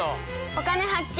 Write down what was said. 「お金発見」。